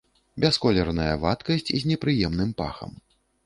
Бясколерная вадкасць з непрыемным пахам.